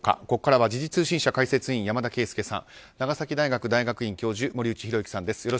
ここからは時事通信社解説委員山田惠資さん長崎大学大学院教授森内浩幸さんです。